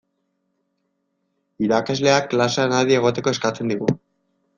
Irakasleak klasean adi egoteko eskatzen digu.